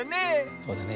そうだね。